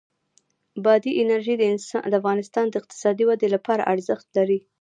بادي انرژي د افغانستان د اقتصادي ودې لپاره ارزښت لري.